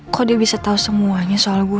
kok dia bisa tahu semuanya soal gue